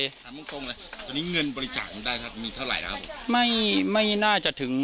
ถามตรงเลยตอนนี้เงินบริจาคมันได้ครับมีเท่าไหร่นะครับ